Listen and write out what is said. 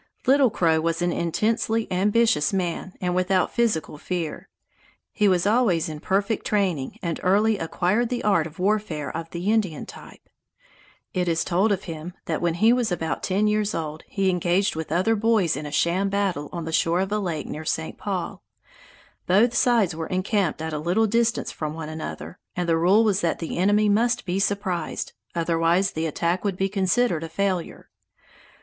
Little Crow was an intensely ambitious man and without physical fear. He was always in perfect training and early acquired the art of warfare of the Indian type. It is told of him that when he was about ten years old, he engaged with other boys in a sham battle on the shore of a lake near St. Paul. Both sides were encamped at a little distance from one another, and the rule was that the enemy must be surprised, otherwise the attack would be considered a failure.